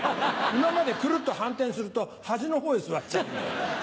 今までくるっと反転すると端のほうへ座っちゃうんだよ。